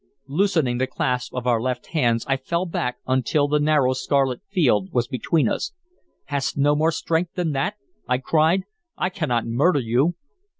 Loosening the clasp of our left hands, I fell back until the narrow scarlet field was between us. "Hast no more strength than that?" I cried. "I cannot murder you!"